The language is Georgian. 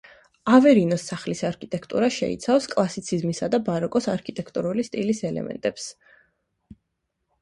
ავერინოს სახლის არქიტექტურა შეიცავს კლასიციზმისა და ბაროკოს არქიტექტურული სტილის ელემენტებს.